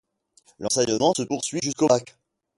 L'enseignement se poursuit jusqu'au bac.